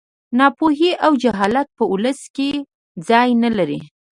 ناپوهي او جهالت په ولس کې ځای نه لري